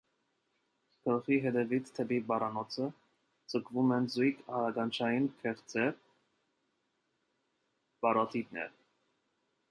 Գլխի հետևից դեպի պարանոցը ձգվում են զույգ հարականջային գեղձեր (պարոտիդներ)։